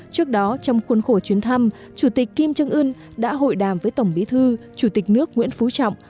trước đó trong khuôn khổ chuyến thăm chủ tịch kim trân ưn đã hội đàm với tổng bí thư chủ tịch nước nguyễn phú trọng